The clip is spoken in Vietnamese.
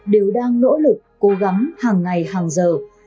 đều đang nỗ lực cố gắng hàng ngày hàng giờ